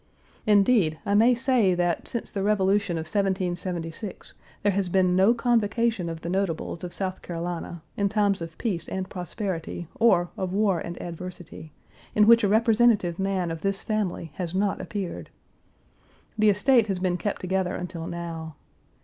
Indeed, I may say that, since the Revolution of 1776, there has been no convocation of the notables of South Carolina, in times of peace anti prosperity, or of war and adversity, in which a representative man of this family has not appeared. The estate has been kept together until now.